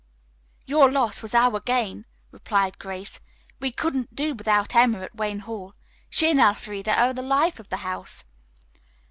"Your loss was our gain," replied Grace. "We couldn't do without Emma at Wayne Hall. She and Elfreda are the life of the house."